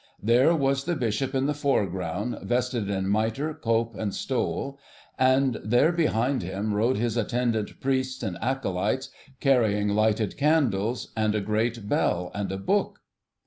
There was the Bishop in the foreground, vested in mitre, cope, and stole, and there, behind him, rode his attendant priests and acolytes, carrying lighted candles, and a great bell, and a book!